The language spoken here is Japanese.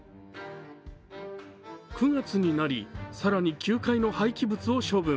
９月になり、更に９階の廃棄物を処分。